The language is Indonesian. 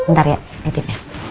ntar ya editnya